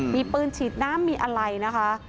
มีปืนฉีดน้ำมีอะไรนะคะ